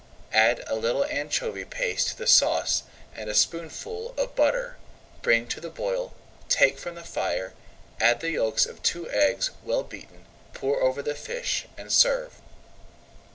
Add a little anchovy paste to the sauce, with a tablespoonful of butter, bring to the boil, take from the fire, add the yolks of two eggs well beaten, pour over the fish, and serve.